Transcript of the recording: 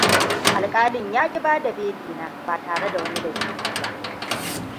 Alƙalin yaƙi bada belina ba tare da wani dalili ba.